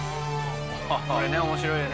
これね面白いよね。